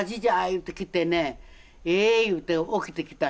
言うて来てね、えー言うて、起きてきた。